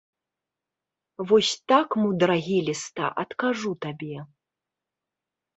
Вось так мудрагеліста адкажу табе.